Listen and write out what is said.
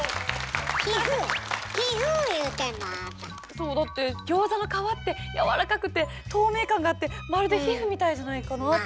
そうだってギョーザの皮ってやわらかくて透明感があってまるで皮膚みたいじゃないかなって。